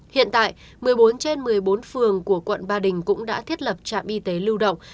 hiện tại một mươi bốn trên một mươi bốn phường của quận ba đình cũng đã thiết lập trạm y tế lưu động